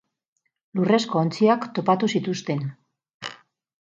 Lurrezko ontziak topatu zituzten.